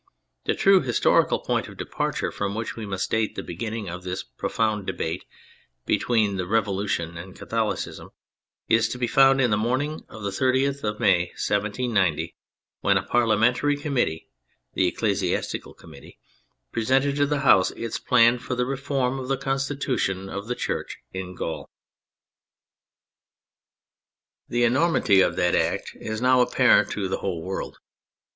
The true historical point of departure from which we must date the beginning of this profound debate between the Revolution and Catholicism, is to be found in the morning of the 30th of May, 1790, when a parliamentary committee (the Ecclesiastical Committee) presented to the House its plan for the reform of the Con stitution of the Church in Gaul. The enormity of that act is now apparent THE CATHOLIC CHURCH 235 to the whole world.